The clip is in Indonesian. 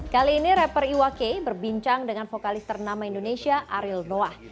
kali ini rapper iwake berbincang dengan vokalis ternama indonesia ariel noah